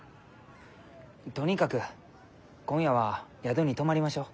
とにかく今夜は宿に泊まりましょう。